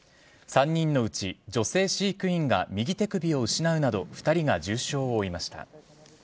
３人のうち女性飼育員が右手首を失うなど２人が重傷を負いました。